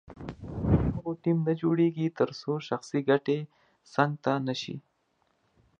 تر هغو ټیم نه جوړیږي تر څو شخصي ګټې څنګ ته نه شي.